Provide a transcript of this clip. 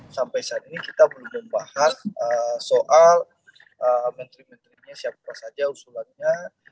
sampai saat ini kita belum membahas soal menteri menterinya siapa saja usulannya